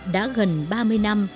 đã gần ba mươi năm